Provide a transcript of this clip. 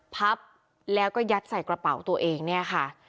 พับแล้วก็ยัดใส่กระเป๋าตัวเองเนี่ยค่ะ